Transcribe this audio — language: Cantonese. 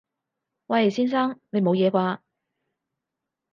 喂！先生！你冇嘢啩？